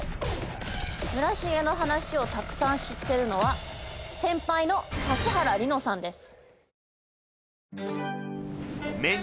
村重の話をたくさん知っているのは先輩の指原莉乃さんです。